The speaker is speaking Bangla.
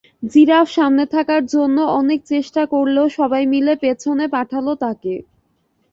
জিরাফ সামনে থাকার জন্য অনেক চেষ্টা করলেও সবাই মিলে পেছনে পাঠাল তাকে।